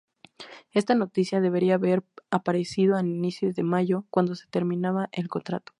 Esta noticia debería haber aparecido a inicios de Mayo, cuando se terminaba el contrato.